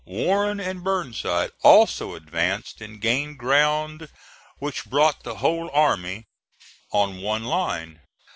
Warren and Burnside also advanced and gained ground which brought the whole army on one line.